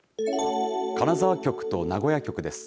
金沢局と名古屋局です。